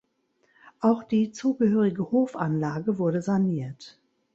Auch die zugehörige Hofanlage wurde saniert.